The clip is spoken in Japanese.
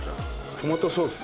トマトソース？